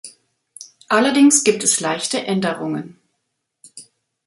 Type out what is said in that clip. Allerdings gibt es leichte Änderungen.